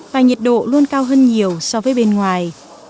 và nhiệt độ luôn cao hơn nhiều so với bên ngoài